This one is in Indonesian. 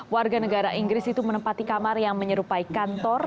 warga negara inggris itu menempati kamar yang menyerupai kantor